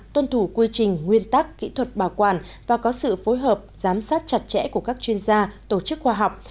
tuân thủ quy trình nguyên tắc kỹ thuật bảo quản và có sự phối hợp giám sát chặt chẽ của các chuyên gia tổ chức khoa học